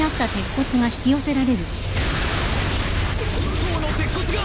塔の鉄骨が！